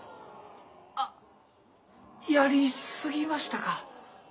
あっやり過ぎましたか？